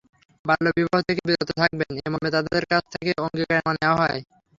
বাল্যবিবাহ থেকে বিরত থাকবেন—এ মর্মে তাঁদের কাছ থেকে অঙ্গীকারনামা নেওয়া হয়।